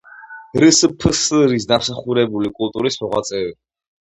რსფსრ-ის დამსახურებული კულტურის მოღვაწე.